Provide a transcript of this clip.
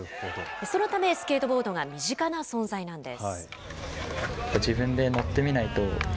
そのため、スケートボードが身近な存在なんです。